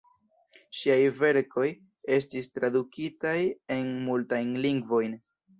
Ŝiaj verkoj estis tradukitaj en multajn lingvojn.